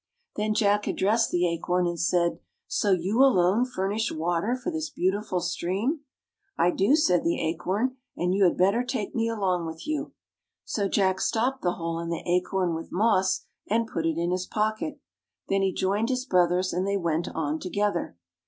Then J ack addressed the Acorn and said, " So you alone furnish water for this beau tiful stream! "" I do,'' said the Acorn, " and you had better take me along with you." So J ack stopped the hole in the acorn with moss, and put it in his pocket. Then he joined his brothers and they went on together.